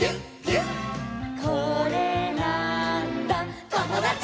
「これなーんだ『ともだち！』」